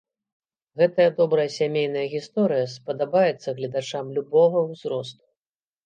Гэтая добрая сямейная гісторыя спадабаецца гледачам любога ўзросту!